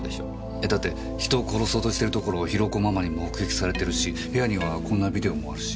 えだって人を殺そうとしてるところをヒロコママに目撃されてるし部屋にはこんなビデオもあるし。